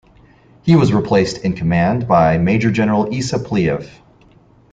He was replaced in command by Major General Issa Pliyev.